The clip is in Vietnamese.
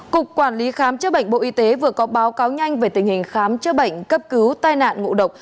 cục quản lý khám chữa bệnh bộ y tế vừa có báo cáo nhanh về tình hình khám chữa bệnh cấp cứu tai nạn ngộ độc